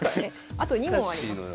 あと２問あります。